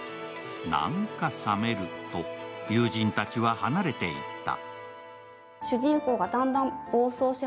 なんか冷めると友人たちは離れていった。